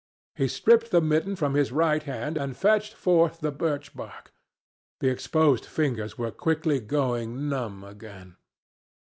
He stripped the mitten from his right hand and fetched forth the birch bark. The exposed fingers were quickly going numb again.